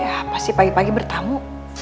siapa sih pagi pagi bertamu